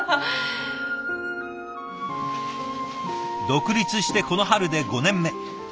独立してこの春で５年目。